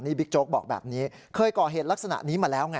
บิ๊กโจ๊กบอกแบบนี้เคยก่อเหตุลักษณะนี้มาแล้วไง